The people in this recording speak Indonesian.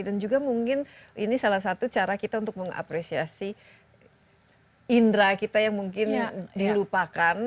dan juga mungkin ini salah satu cara kita untuk mengapresiasi indra kita yang mungkin dilupakan